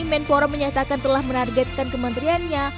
menpora menyatakan telah menargetkan kementeriannya